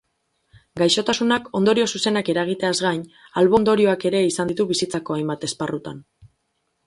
Gaixotasunak ondorio zuzenak eragiteaz gain, albo-ondorioak ere izan ditu bizitzako hainbat esparrutan.